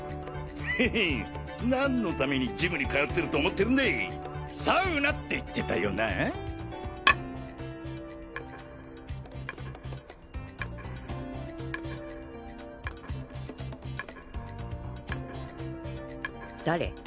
ヘヘッ何のためにジムに通ってると思サウナって言ってたよな誰？